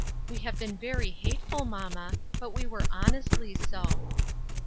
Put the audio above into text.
We have been very hateful, mamma, but we were honestly so."